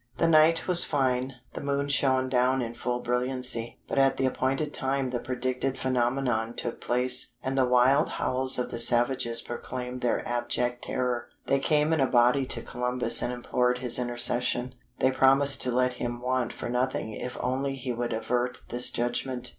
"The night was fine: the moon shone down in full brilliancy. But at the appointed time the predicted phenomenon took place, and the wild howls of the savages proclaimed their abject terror. They came in a body to Columbus and implored his intercession. They promised to let him want for nothing if only he would avert this judgment.